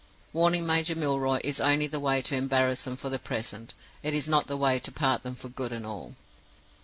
Warning Major Milroy is only the way to embarrass them for the present; it is not the way to part them for good and all.